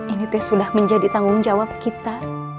ini sudah menjadi tanggung jawab kita